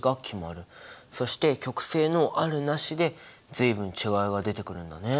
そして極性のあるなしで随分違いが出てくるんだね。